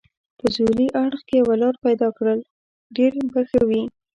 په سهېلي اړخ کې یوه لار پیدا کړل، ډېر به ښه وي.